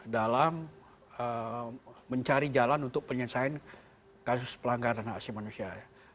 dalam mencari jalan untuk penyelesaian kasus pelanggaran hak asli manusia